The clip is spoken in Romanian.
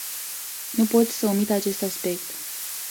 Nu pot să omit acest aspect.